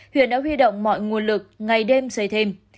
huyện đã huy động mọi nguồn lực ngày đêm xây thêm